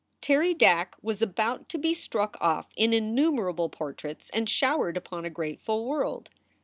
Terry Dack was about to be struck off in innumerable portraits and showered upon a grateful world.